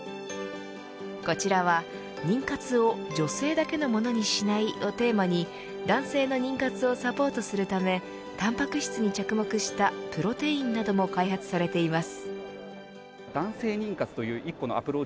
こちらは、妊活を女性だけのものにしないをテーマに男性の妊活をサポートするためタンパク質に着目したプロテインなども開発されています。